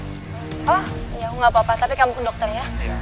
oh iya aku gapapa tapi kamu ke dokter ya